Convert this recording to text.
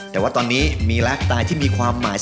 แต่ว่าตอนนี้มีรักตายที่มีความหมายใจ